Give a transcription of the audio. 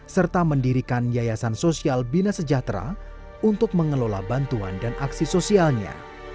serta mendirikan yayasan sosial bina sejahtera untuk mengelola bantuan dan aksi sosialnya